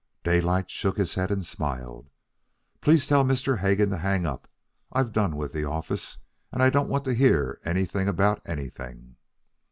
Daylight shook his head and smiled. "Please tell Mr. Hegan to hang up. I'm done with the office and I don't want to hear anything about anything."